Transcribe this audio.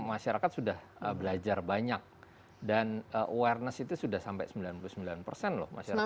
masyarakat sudah belajar banyak dan awareness itu sudah sampai sembilan puluh sembilan persen loh masyarakat